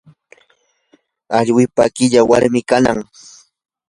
awlliqa qilla warmi kanaq.